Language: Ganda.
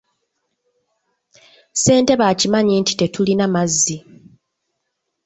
Ssentebe akimanyi nti tetulina mazzi.